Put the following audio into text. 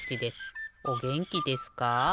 おげんきですか？